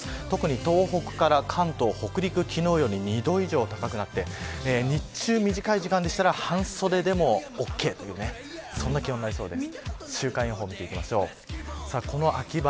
特に東北から関東、北陸昨日より２度以上高くなって日中より短い時間でしたら半袖でもオーケーという気温になりそうです。